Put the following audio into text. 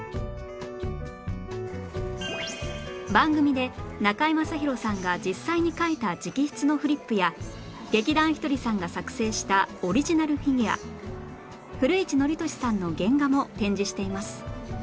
番組で中居正広さんが実際に書いた直筆のフリップや劇団ひとりさんが作成したオリジナルフィギュア古市憲寿さんの原画も展示しています